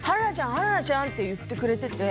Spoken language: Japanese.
春菜ちゃん！」って言ってくれてて。